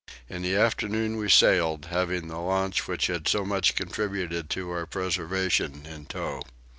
In the afternoon we sailed, having the launch which had so much contributed to our preservation in tow.